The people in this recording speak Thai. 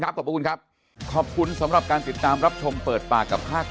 ขอบคุณครับขอบคุณสำหรับการติดตามรับชมเปิดปากกับภาค